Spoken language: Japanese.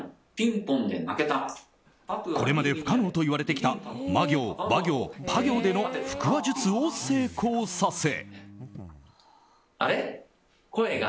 これまで不可能といわれてきたま行、ば行、ぱ行での腹話術を成功させ。